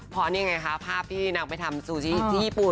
เพราะนี่ไงคะภาพที่นางไปทำซูชิที่ญี่ปุ่น